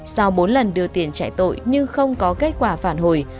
sau bốn lần đưa tiền chạy tội nhưng không có kết quả phản hồi